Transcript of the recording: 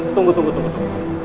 tunggu tunggu tunggu